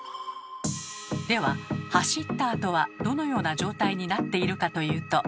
では走ったあとはどのような状態になっているかというと。